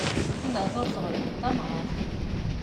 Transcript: Deg lehdur tɣelbeḍ tamɣart.